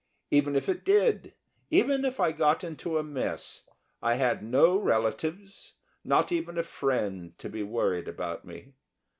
Even if it did, even if I got into a mess, I had no relatives, not even a friend, to be worried about me.